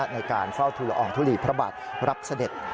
ในการเฝ้าทุลอองทุลีพระบาทรับเสด็จ